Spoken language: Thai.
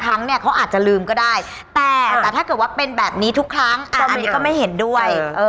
ครั้งเนี่ยเขาอาจจะลืมก็ได้แต่แต่ถ้าเกิดว่าเป็นแบบนี้ทุกครั้งอันนี้ก็ไม่เห็นด้วย